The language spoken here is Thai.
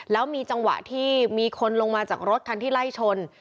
แล้วมีจังหวะที่มีคนลงมาจากรถคันที่ไล่ชน